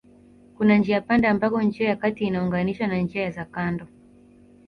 Kuna njiapanda ambako njia ya kati inaunganishwa na njia za kando